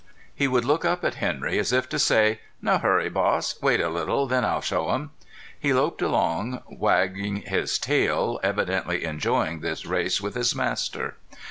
He would look up at Henry as if to say: "No hurry, boss. Wait a little. Then I'll show them!" He loped along, wagging his tail, evidently enjoying this race with his master.